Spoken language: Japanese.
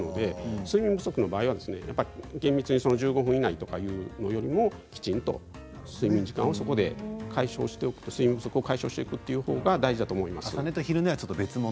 睡眠不足の場合は１５分以内というよりもきちんと睡眠時間をそこで解消しておく睡眠不足を解消しておくというほうが重要だと思います。